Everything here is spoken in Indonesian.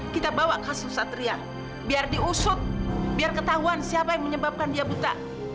kita bawa kasus satria biar diusut biar ketahuan siapa yang menyebabkan dia buta